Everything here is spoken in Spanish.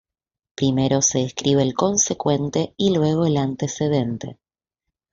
Primero se escribe el consecuente y luego el antecedente.